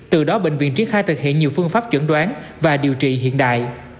từ đó bệnh viện triển khai thực hiện nhiều phương pháp chuẩn đoán và điều trị hiện đại